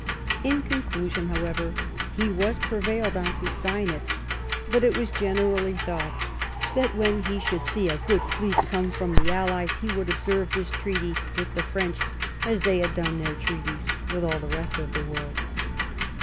In conclusion, however, he was prevailed on to sign it; but it was generally thought that when he should see a good fleet come from the allies he would observe this treaty with the French as they have done their treaties with all the rest of the world."